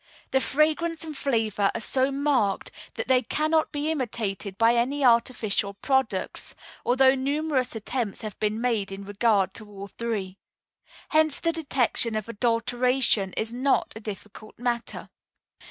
The fragrance and flavor are so marked that they cannot be imitated by any artificial products, although numerous attempts have been made in regard to all three. Hence the detection of adulteration is not a difficult matter.